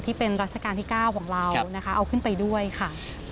ที่เป็นรัชกาลที่๙ของเรานะคะเอาขึ้นไปด้วยค่ะ